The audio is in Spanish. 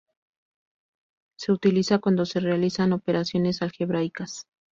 Se utiliza cuando se realizan operaciones algebraicas.